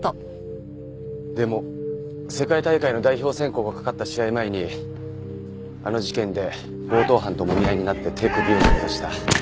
でも世界大会の代表選考がかかった試合前にあの事件で強盗犯ともみ合いになって手首を捻挫した。